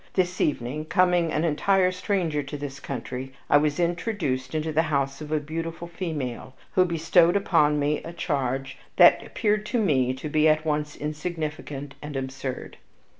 This evening, coming an entire stranger to this country, I was introduced into the house of a beautiful female, who bestowed upon me a charge that appeared to me to be at once insignificant and absurd.